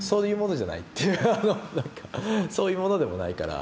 そういうものでもないから。